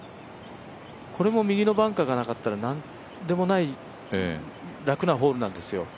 これも右のバンカーがなかったら、何でもない楽なホールなんですよ。